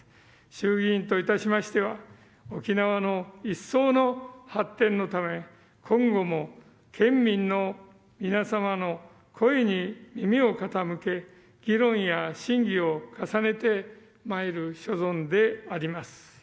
衆議院といたしましては沖縄の一層の発展のため今後も、県民の皆様の声に耳を傾け議論や審議を重ねてまいる所存であります。